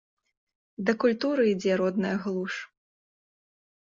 Да культуры ідзе родная глуш.